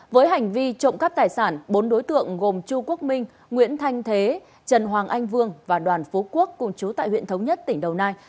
với hành vi trộm cắp tài sản bốn đối tượng gồm chu quốc minh nguyễn thanh thế trần hoàng anh vương và đoàn phú quốc cùng chú tại huyện thống nhất tỉnh đồng nai